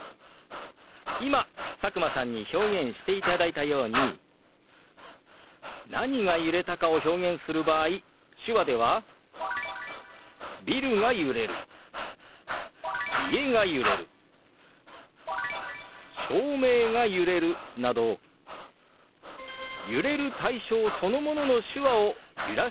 今佐久間さんに表現していただいたように何が揺れたかを表現する場合手話では「ビルが揺れる」「家が揺れる」「照明が揺れる」など揺れる対象そのものの手話を揺らして表すんです。